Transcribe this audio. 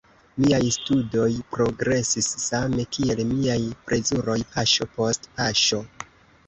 Miaj studoj progresis same, kiel miaj plezuroj, paŝo post paŝo.